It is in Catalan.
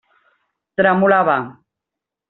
Tremolava.